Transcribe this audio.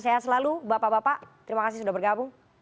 sehat selalu bapak bapak terima kasih sudah bergabung